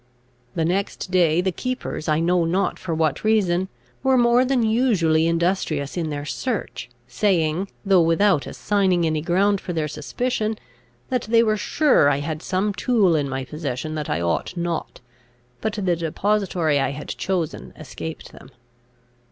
The next day, the keepers, I know not for what reason, were more than usually industrious in their search, saying, though without assigning any ground for their suspicion, that they were sure I had some tool in my possession that I ought not; but the depository I had chosen escaped them.